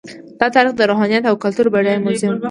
دا د تاریخ، روحانیت او کلتور بډایه موزیم و.